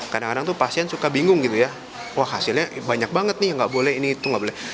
kadang kadang pasien suka bingung hasilnya banyak banget ini tidak boleh itu tidak boleh